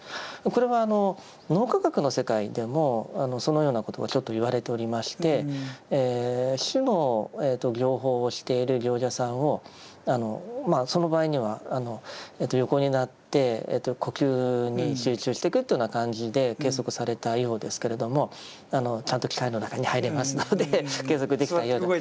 これは脳科学の世界でもそのようなことをちょっと言われておりまして「止」の行法をしている行者さんをその場合には横になって呼吸に集中してくというような感じで計測されたようですけれどもちゃんと機械の中に入れますので計測できたようだと。